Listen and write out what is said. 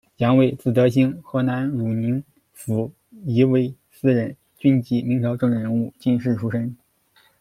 杨位，字德兴，河南汝宁府仪卫司人，军籍，明朝政治人物、进士出身。